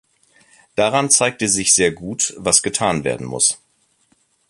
Daran zeigt sich sehr gut, was getan werden muss.